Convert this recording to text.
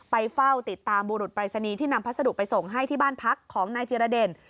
เฝ้าติดตามบุรุษปรายศนีย์ที่นำพัสดุไปส่งให้ที่บ้านพักของนายจิรเดช